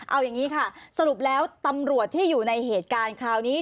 เอาอย่างนี้ค่ะสรุปแล้วตำรวจที่อยู่ในเหตุการณ์คราวนี้